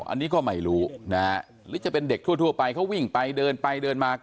อันนี้ก็ไม่รู้นะฮะหรือจะเป็นเด็กทั่วไปเขาวิ่งไปเดินไปเดินมา